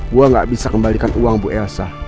gue gak bisa kembalikan uang bu elsa